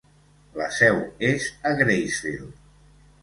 La seu és a Gracefield.